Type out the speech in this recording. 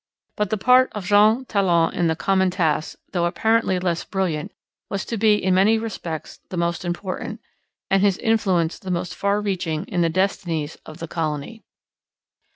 But the part of Jean Talon in the common task, though apparently less brilliant, was to be in many respects the most important, and his influence the most far reaching in the destinies of the colony.